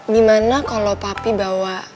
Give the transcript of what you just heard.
gimana kalau papi bawa